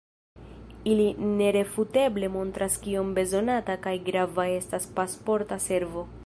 Ili nerefuteble montras kiom bezonata kaj grava estas Pasporta Servo.